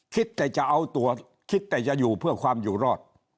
คิดแต่จะเอาตัวคิดแต่จะอยู่เพื่อความอยู่รอด